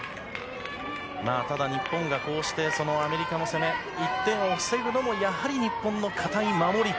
ただ日本がこうしてアメリカの攻め１点を防ぐのもやはり日本の堅い守り。